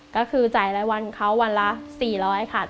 ก็คือจ่ายรายวันเขาวันละ๔๐๐ค่ะ